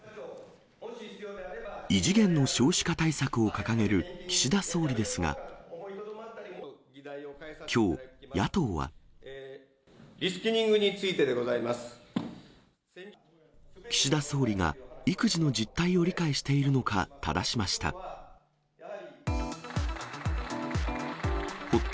異次元の少子化対策を掲げるリスキリングについてでござ岸田総理が、育児の実態を理解しているのか、ただしました。